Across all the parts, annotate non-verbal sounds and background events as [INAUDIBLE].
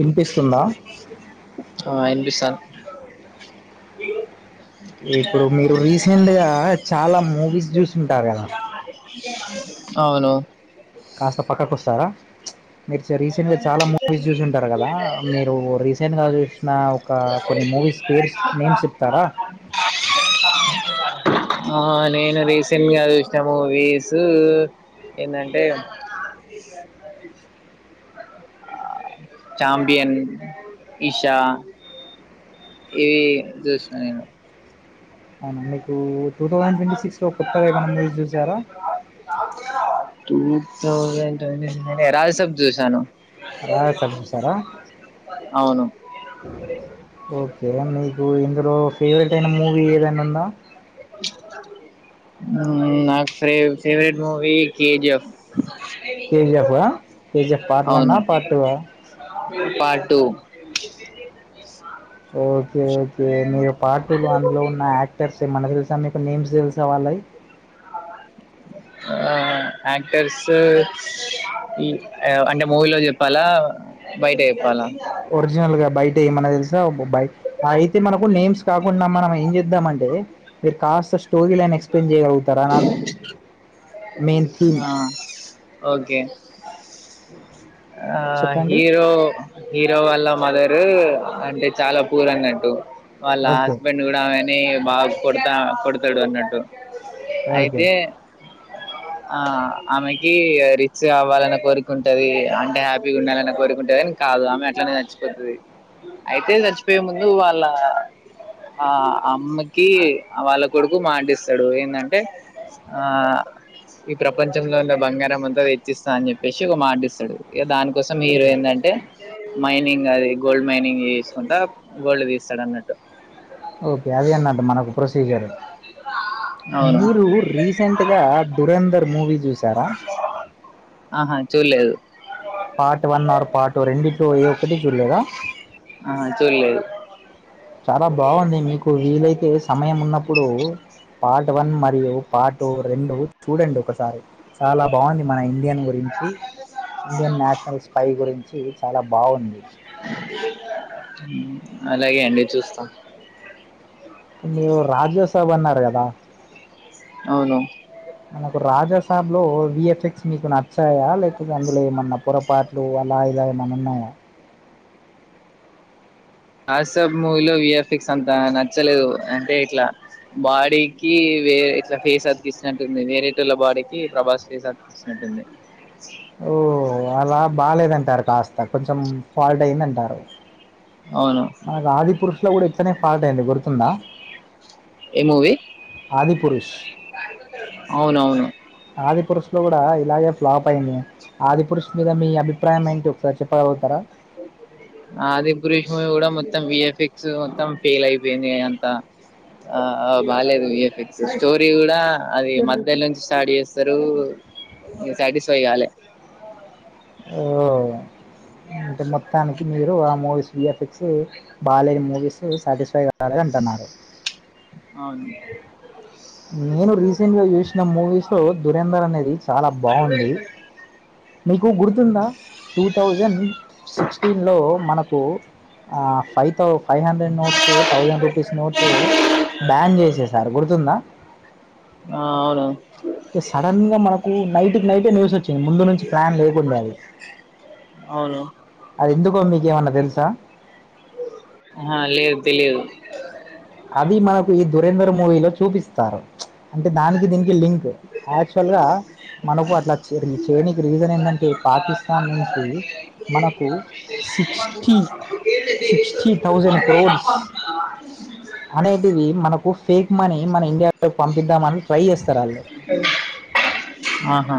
వినిపిస్తుందా హ్మ్ ఆ వినిపిస్తాంది ఇప్పుడు మీరు రీసెంట్గా చాలా మూవీస్ చూసింటారు కదా అవును కాస్త పక్కకొస్తారా మీరు రీసెంట్గా చాలా మూవీస్ చూసింటారు కదా మీరు రీసెంట్గా చూసిన ఒక కొన్ని మూవీస్ పేర్స్ నేమ్స్ చెప్తారా ఆ నేను రీసెంట్ గా చూసిన మూవీస్ ఏంటంటే ఛాంపియన్ ఈషా ఇవి చూసిన నేను అవునా మీకు టు తౌజండ్ ట్వంటీ సిక్స్లో కొత్తగా ఏమైనా మూవీస్ చూసారా తౌజండ్ ట్వంటీ సిక్స్ అంటే రాజసబ్ చూసాను రాజాసబ్ చూసారా అవును ఓకే మీకు ఇందులో ఫేవరెట్ అయిన మూవీ ఏదనా ఉందా నాకు ఫేవరెట్ మూవీ కేజిఎఫ్ కేజిఎఫ్ ఆ కేజిఎఫ్ పార్ట్ వన్ అవును ఆ పార్ట్ టూ ఆ పార్ట్ టు ఓకే ఓకే మీరు పార్ట్ టూ దాంట్లో ఉన్న యాక్టర్స్ ఏమన తెలుసా మీకు నేమ్స్ తెలు సా వాళ్ళవి ఆ యాక్టర్స్ అంటే మూవీలో చెప్పాలా బయట చెప్పాలా ఒరిజినల్ గా బయట ఏమన్నా తెలుసా బయ అయితే మనకు నేమ్స్ కాకుండా మనం ఏం చేద్దామంటే మీరు కాస్త స్టోరీలని ఎక్స్ప్లెయిన్ చేయగలుగుతారా నాకు మెయిన్ థీమ్ ఆ ఓకే ఆ చెప్పండి హీరో హీరో వాళ్లమదరు అంటే చాలా పూర్ అన్నట్టు వాళ్ళ ఓకే హస్బెండ్ కూడా ఆమెనే బాగా కొడతా కొడతాడు అన్నట్టు ఓకే అయితే ఆ ఆమెకి రిచ్ అవ్వాలన్న కోరిక ఉంటది అంటే హ్యాపీగా ఉండాలని కోరుకుంటేదని కాదు ఆమె అట్లానే నచ్చిపోతుది అయితే చచ్చిపోయే ముందు వాళ్ళ ఆ అమ్మకి వాళ్ళ కొడుకు మాటిస్తాడు ఏంటంటే ఆ ఈ ప్రపంచంలో ఉన్న బంగారం అంతా తెచ్చిస్తా అని చెప్పేసి ఒక మాటిస్తాడు ఏ దానికి కోసం మీరు ఏంటంటే మైనింగ్ అది గోల్డ్ మైనింగ్ చేసుకుంటా గోల్డ్ తీస్తాడు అన్నట్టు ఓకే అది అన్నట్టు మనకు ప్రొసీజర్ అవును మీరు రీసెంట్గా ధురేంధర్ మూవీ చూశారా ఆహా చూడలేదు పార్ట్ వన్ ఆర్ పార్ట్ రెండిట్లో ఏ ఒక్కటి చూడలేదా ఆహా చూడలేదు చాలా బాగుంది మీకు వీలైతే సమయం ఉన్నప్పుడు ఇప్పుడు పార్ట్ వన్ మరియు పార్ట్ రెండు చూడండి ఒకసారి చాలా బాగుంది మన ఇండియన్ గురించి ఇండియన్ నేషనల్ స్పై గురించి చాలా బాగుంది అలాగే అండి చూస్తా మీరు రాజ్యసబ్ అన్నారు కదా అవును నాకు రాజా పసాబ్లో విఎఫ్ఎక్స్ మీకు నచ్చాయా లేకపోతే అందులో ఏమన్నా పొరపాట్లు అలా ఇలా ఏమైన్నా ఉన్నాయా హసప్ మూవీలో విఎఫ్ఎక్స్ అంత నచ్చలేదు అంటే ఇట్లా బాడీకి వేరే ఇట్లా ఫేస్ అతికిచ్చినట్టుంది వేరేటళ బాడీకి ప్రభాస్ ఫేస్ అతికిస్తుినట్టుంది ఓ అలా బాలేదంటారు కాస్త కొంచెం ఫాల్ట్ అయింద అంటారు అవును మ ఆదిపురుష లో కూడా ఎత్తనే ఫాల్ట్ అయింది గురుతుందా ఏ మూవీ అవునవును పురుషు లో కూడా ఇలాగే ఫ్లాప్ అయింది ఆది పురుష మీద మీ అభ ఆది పరిష మ ఎడ మ మొత్త విఎఫ్ఎక్స్ మొత్తం ఫెయిల్ అయిపోయింది అంత ఆ బాలేదు విఎఫ్ఎక్స్ స్టోరీ కూడా అది మధ్యలో నుంచి స్టార్ట్ చేస్తారు సాటిస్ఫై కాలే ఓ అంటే మొత్తానికి మీరు ఆమోస్ఫక్ బాలేని మూవీస్ సాటిస్ఫై కాాల అంటున్నారు అవును నేను రీసెంట్ గా చూసిన మూవీస్ లో దురేంందర్ అనేది చాలా బాగుంది మీకు గుర్తుందా టూ థౌజండ్ సి ఆ అవును టె సడన్ గా మనకు నైట్ కి నైట్ న్యూస్ వచ్చింది ముందు నుంచి ప్లాన్ లేకుండా అది అవును అది ఎందుకో మీకేమన్నా తెలుసా ఆహా లేదు తెలియదు అది మనకు ఈ దురేంధ్ర మూవీలో చూపిస్తారు అంటే దానికి దీనికి లింక్ యాక్చువల్ గా మనకు అట్లా చేయి చేయనికి రీజన్ ఏంటంటే పాకిస్తాన్ నుంచి మనకు సిక్స్టీ సిక్స్టీ థౌజండ్ క్రోడ్స్ అనేటిది మనకు ఫేక్ మనీ మన ఇండియాలోకి పంపిద్దామని ట్రై చేస్త్ ఆహ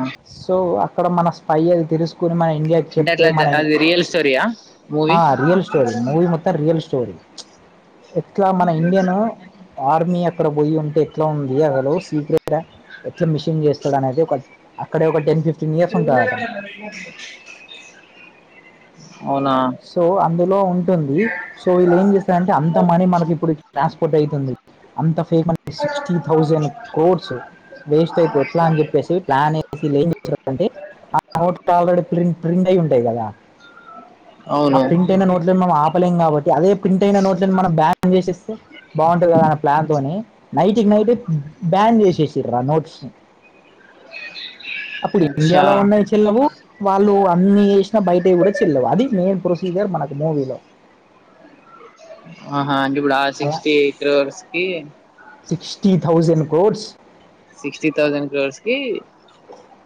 ఇక్కడ మన స్పై ఎ తెలుసు ని మన ఇండియాకి అంటే చెప్తే అట్లా మనయి అది రియల్ స్టోరీయా మూవీ ఓ ఇండియన్ ఆర్మీ అక్కడ పోయి ఉంటె ఎట్లా ఉంది అసలు సీక్రెట్ ఎట్లా మిషన్ చేస్తాడు అనేది ఒక అక్కడ ఒక టెన్ ఫిఫ్టీన్ ఇయర్స్ ఉంటాడు అతను అవునా సో అందు లో ఉంటుంది సో వీళ్ళుం చేస్తారంటే అంత మనీ మనకి ఇప్పుడు ట్రాన్స్ పొద్ అయితుంది అంత అంటే సిక్స్టీ థౌజండ్ కోడ్స్ వేస్ట్ అయితే ఎట్లా అని చెప్పేసి ప్లాన్ వేసి చెప్పేసి ప్లాన్ంంటే టాల్ రెడీ ప్రేణ్ ఫ్రెండ్ అయి ఉంటాయి కదా ఆ అవును ప్రింట్ అయిన నోట్స్ లను నువ్ ఆప్ చేపలేం కాబట్టి అదే ప్రింట్ అయిన నోట్స్ని మనం బ్యాన్ చేసేస్తే బాగుంటుంది కదా అన్న ప్లాన్తో నైట్కి నైట్ బ్యాన్ చేసేసిర ఆ నోట్స్ని అప్పుడు అచ్చా ఇండియాలో ఉన్నయి చెల్లవు వాళ్ళు అన్ని చేసినా బయట కూడా చెల్లవు అది మెయిన్ ప్రొసీజర్ మనకు మూవీలో ఆ ఆ అంటే ఇప్పుడు ఆ అలా సిక్స్టీ క్రోర్స్ కి sixty thousand codes sixty thousand crores కి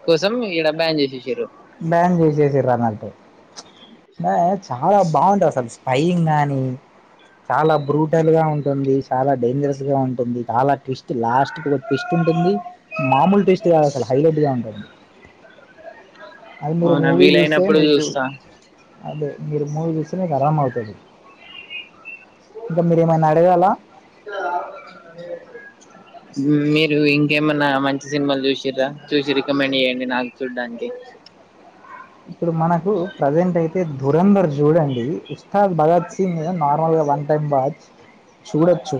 కోసం ఇడ బ్యాన్ చేసేషిరు బ్యాన్ జేసేయిన్రద్ మేల్ చాలా బాగుంటా సాబ్ పైంగ్ గాని చాలా బ్రూటల్ గా ఉంటుంది చాలా డేంజరస్ గా ఉంటుంది చాలా ట్విస్ట్ లాస్ట్ ఒక ట్విస్ట్ ఉంటుంది మామూలు ట్విస్ట్ కాదు అసలు హైలైట్ గా ఉంటుంది అది మీరు అవునా మూవీ చూస్తే వీలైనప్పుడు మీకు చూస్తా అదే మీరు మూవి చూస్తే మీకు అరామ అవుతుది ఇంకా మీర ఏమైనా అడగాలాా మీరు ఇంకేమన్నా మంచి సినిమాలు చూసిర చూసి రికమెండ్ చేయ్యడి నాకు చూడ్డానికి ఇప్పుడు మనకు ప్రజెంట్ అయితే దురంధర్ చూడండి భగత్ సింగ్ నార్మల్గా వన్ టైం వాచ్ చూడొచ్చు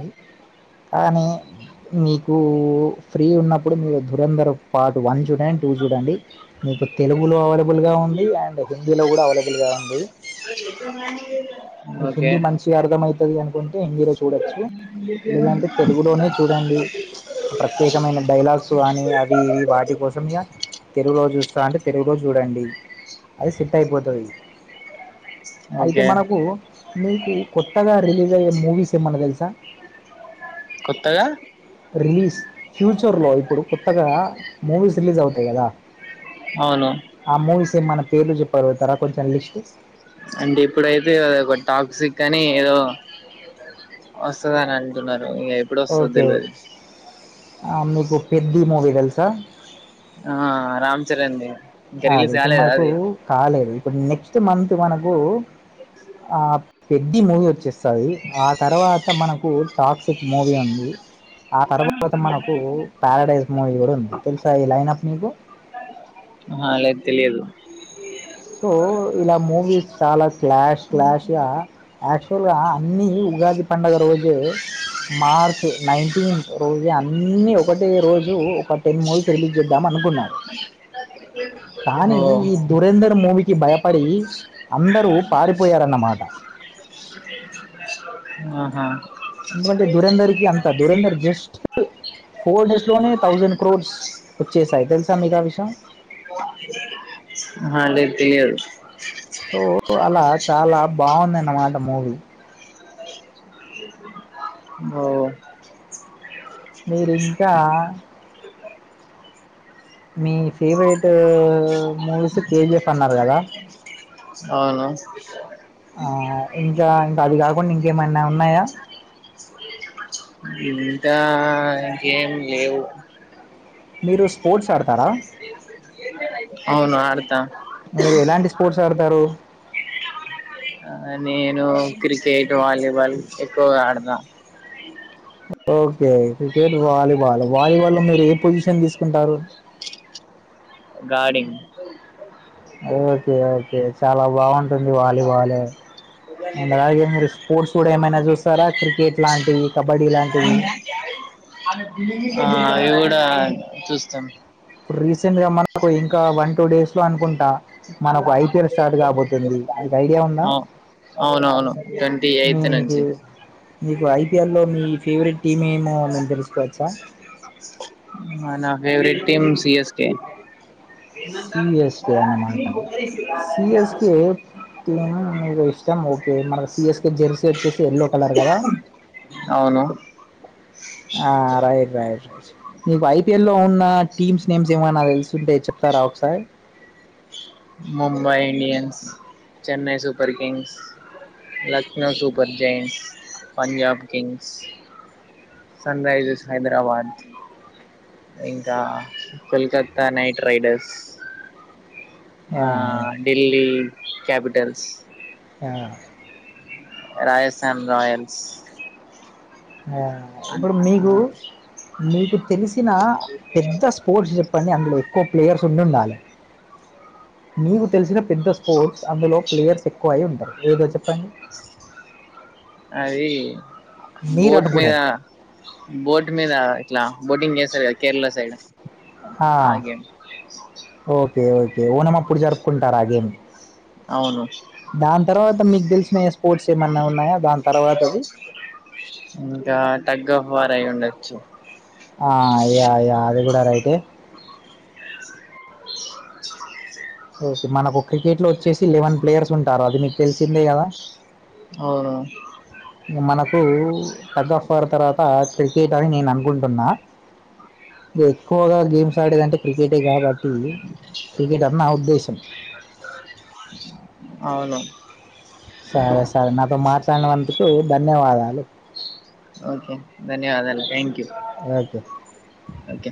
కానీ మీకు ఫ్రీ ఉన్నప్పుడు మీరు దురంధర పాటు వన్ చూడండి టూ చూడండి మీకు తెలుగులో వాళ్ళ బుల్గా ఉంది అండ్ హిందీ లో కూడా అవైలబుల్ గా ఉంది ఓకే చది అనుండి హిందీలో చూడొచ్చు లేదంటే తెలుగులోనే చూడండి ప్రత్యేకమైన డైలాగ్స్ కానీ అవి ఇవి వాటి కోసం తెలుగులో చూస్తా అంటే తెలుగులోజు చూడండి అది సెట్ అయిపోతుంది అయితే ఓకే మనకు మీకు కొత్తగా రిలీజ్ అయ్యే మూవీస్ ఏమన్నా తెలుసా కొత్తగా రిలీజ్ ఫ్యూచర్ లో ఇప్పుడు కొత్తగా మూవీస్ రిలీజ్ అవు గదా [INAUDIBLE] ఆ మూవిస్ ఏ మన పేలు చెప్ప పర్వతారా కొంచెంలిస్ట్ అంటే ఇప్పుడైతే అద ఒక టాక్సిక్ అని ఏదో వస్తుంద అని అంటున్నారు ఇ ఎప్పుడు వస్తదో ఓకే తెల్వది ఆ మీకు పెద్ది మూవీ తెలుసా ఆ రామ్ చరన్ ది ఇంకా అదే రిలీజ్ ఇప్పుడు కాలేదా మనకు అది కాలేది ఇప్పుడు నెక్స్ట్ మంత్ మనకు ఆ పెద్ది మూవీ వచ్చేస్తంది సది ఆ తర్వాత ఇంకా మనకు టాక్సిక్ మూవీ ఉంది ఆ తర్వాత మనకు పారడైజ్ మూవీ కూడా ఉంది తెలుసా ఈ లైన్ అప్ మీకు అ లేదు తెలిదు సో ఇలా మూవీస్ చాల క్లాష్ క్లాష్ యాక్చువల్ గా అన్ని ఉగాది పండుగ రోజే మార్చ్ నైన్టీన్త్ రోజే అన్ని ఒకటే రోజు ఒక టెన్ మూవీస్ రిలీజ్ చేద్దాం అనుకున్నాడు ఓ కి భయపడి అందరూ పారిపోయారన్నమాట ఆహా ఎందుకంటే దురేంధర్ కి అంతా ురేంధర్ జస్ట్ ఫోర్ డేస్ లోనే థౌజండ్ క్రోడ్స్ వచ్చేసి సయి తెలు సా మీకు ఆ విషయం అ లేదిదు బాగుందన్నమాట మూవిీ ఓ మీరింకా మీ ఫేవరెట్ మూవీస్ కేజిఎఫ్ అన్నారు కదా అవును ఇంకా ఇంకా అది కా కే ఏకా ఆ ఏం లేవు మీరు స్పోర్ట్స్ ఆడతారా అవును ఆడతా మీరు ఎలాంటి స్పోర్ట్స్ ఆడతారు ఆ నేను క్రికెట్ వాలీబాల్ ఎక్కువగా ఆడతాను ఓకే క్రికెట్ వాలీబాల్ వాలీబాల్ మీరు ఏ పొజిషన్ తీసుకుంటారు గార్డింగ్ ఓకే ఓకే చాలా బాగుంట ఉంది వాలీబాల్ అండ్ అలాగే మీరు స్పోర్ట్స్ కూడా ఏమైనా చూస్తారా క్రికెట్ లాంటివి కబడ్డీ లాంటివి? ఆ అవి కూడా చూస్తాను ఇప్పుడు రీసెంట్ గా మన ఇంకా వంటి టూ డేస్ లో అనుకుంటా మన ఒక ఐపీఎల్ స్టార్ట్ కాబోతుంది మీకు ఐడియా ఉందా అవు అవునవును ట్వంటీ ఎయిత్ మీకు నుంచి మీకు ఐపీఎల్లో మీ ఫేవరెట్ టీమ్ ఏమో మే తెలుసుకోవచ్చా నా ఫేవరెట్ టీమ్ సిీఎస్క ఏనంతా ఎస్ అన్నమాటఎస్కు ఇష్టం మనకి సిఎస్కే జెర్సీ వచ్చేసి ఎల్లో కలర్ కదా అవును ఆ రయిట్ రయిట్ ర నకు ఐపిఎల్ లో ఉన్న టీమ్స్ నేమ్స్ ఏమైన్నా తెలుసు ంటే చెప్తారా ఒకసయి Mumbai Indians Chennai super Kings Lucknow super జైంస్ Punjab Kings sun Risers Hyderabad ఇంకా కొల్కత్తా నైట్ రైడర్స్ ఆ యా యా ఢిల్లీ క్యాపిిటల్స్ అ ఆ రాజస్థాన్ రయల్స్ ఇప్పుడు మీకు మీకు తెలిసిన పెద్ద స్పోర్ట్స్ చెప్పండి అందులో ఎక్కువ ప్లేయర్స్ ఉండిండాలి మీీకు తెలిసిన పెద్ద స్పోర్ట్స్ అందులో ప్లేయర్స్ ఎక్కువ అయి్య ఉంటారు ఏదో చెప్ప అది మీరు బోట్ మీ అనుకునేది రా బోట్ మీ రా ఇలా బోటింగ్ చేసారు కేరళ సైడ్ ఆ, ఆగేం ఓకే ఓకే ఓనంప్పుడు జరుపుకుంటారా గేమి అవును దాని తర్వాత మీకు తెలిసిన స్పోర్ట్స్ ఏమన్నా ఉన్నాయాో దాని తర్వాత అది వచ్చ యితే ఓకే మనకు క్రికెట్ లో వచ్చేసి లెవెన్ ప్లేయర్స్ ఉంటారు అది మీకు తెలిసిందే కదా అవును మనకు తగ్గఫర్ తర్వాత క్రికెట్ అని నేను అనుకుంటున్నా ఇ ఎక్కువగా గేమ్స్ ఆడేదంటే క్రికెటే కాబట్టి క్రికెట్ అన్నా దేశం అవును సరే సరే నాతో మాట్లాడినందుకు ధన్యవాదాలు ఓకే ధన్యవాదాలు థ్యాంక్ యూ అకే ఓకే